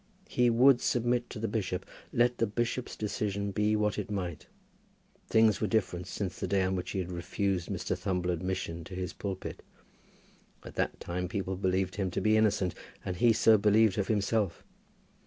He would submit to the bishop, let the bishop's decision be what it might. Things were different since the day on which he had refused Mr. Thumble admission to his pulpit. At that time people believed him to be innocent, and he so believed of himself.